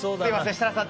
設楽さん